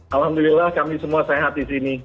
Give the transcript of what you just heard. alhamdulillah kami semua sehat di sini